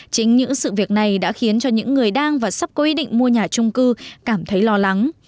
chính những sự việc này đã khiến cho những người đang và sắp có ý định mua nhà trung cư cảm thấy lo lắng